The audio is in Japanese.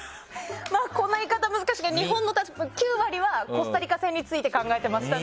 こんな言い方、難しいけど日本の９割はコスタリカ戦について考えてましたね。